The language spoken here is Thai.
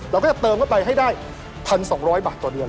เราก็จะเติมเข้าไปให้ได้๑๒๐๐บาทต่อเดือน